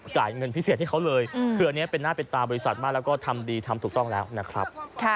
จ่ายเงินพิเศษให้เขาเลยคืออันนี้เป็นหน้าเป็นตาบริษัทมากแล้วก็ทำดีทำถูกต้องแล้วนะครับ